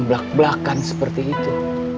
belak belakan seperti itu